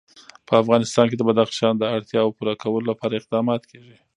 په افغانستان کې د بدخشان د اړتیاوو پوره کولو لپاره اقدامات کېږي.